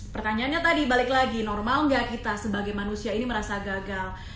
pertanyaannya tadi balik lagi normal nggak kita sebagai manusia ini merasa gagal